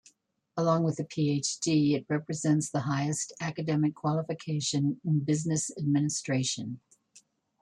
Along with the Ph.D, it represents the highest academic qualification in business administration.